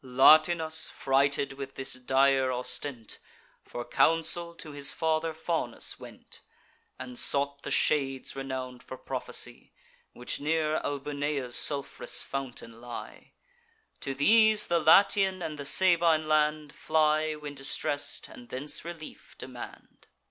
Latinus, frighted with this dire ostent, For counsel to his father Faunus went, And sought the shades renown'd for prophecy Which near Albunea's sulph'rous fountain lie. To these the Latian and the Sabine land Fly, when distress'd, and thence relief demand.